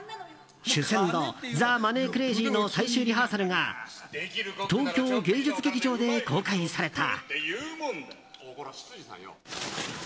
「守銭奴ザ・マネー・クレイジー」の最終リハーサルが東京芸術劇場で公開された。